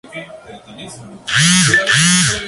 La etapa bohemia fue próspera para Świdnica.